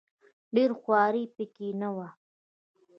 ډېره خواري په کې نه وه.